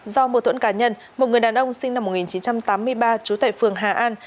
do mô thuẫn cá nhân một người đàn ông sinh năm một nghìn chín trăm tám mươi ba trú tại phường hà an